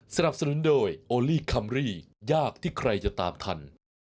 สนับสนุนโดยโอลี่คัมรี่ยากที่ใครจะตามทัน